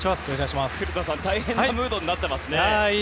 古田さん、大変なムードになっていますね。